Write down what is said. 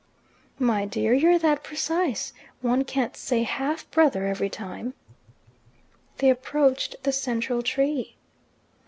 "My dear, you're that precise. One can't say 'half brother' every time." They approached the central tree.